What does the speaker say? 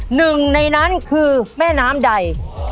หนึ่งในนั้นคือแม่น้ำใด